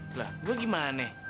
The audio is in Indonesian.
tuh lah gue gimana